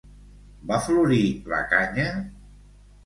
Va florir la canya?